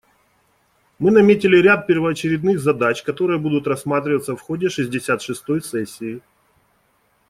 Мы наметили ряд первоочередных задач, которые будут рассматриваться в ходе шестьдесят шестой сессии.